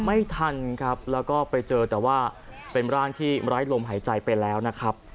ไม่ทันครับแล้วก็ไปเจอแต่ว่าเป็นร่างที่ไร้ลมหายใจไปแล้วนะครับ